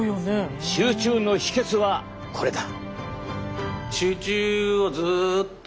集中の秘けつはこれだ！